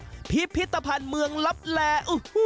นี่แหละครับพิพิธภัณฑ์เมืองลับแหล่